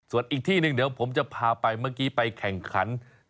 ส่วนอีกที่หนึ่งเดี๋ยวผมจะพาไปเมื่อกี้ไปแข่งขัน